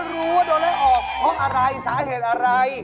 รู้ว่าโดนไล่ออกเพราะอะไรสาเหตุอะไร